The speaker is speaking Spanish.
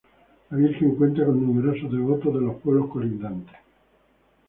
La virgen cuenta con numerosos devotos de los pueblos colindantes.